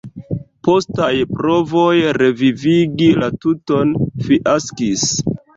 Postaj provoj revivigi la tuton fiaskis.